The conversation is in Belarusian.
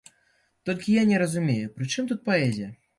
Толькі я не разумею, пры чым тут паэзія?